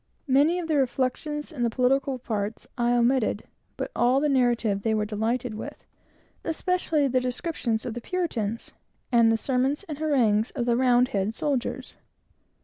Many of the reflections, and the political parts, I omitted, but all the narrative they were delighted with; especially the descriptions of the Puritans, and the sermons and harangues of the Round head soldiers.